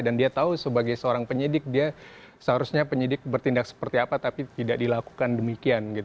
dan dia tahu sebagai seorang penyidik dia seharusnya penyidik bertindak seperti apa tapi tidak dilakukan demikian gitu